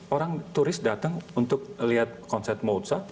orang turis datang untuk lihat konser mozart